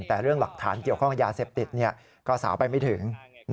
แต่เรื่องหลักฐานเกี่ยวข้องกับยาเสพติดก็สาวไปไม่ถึง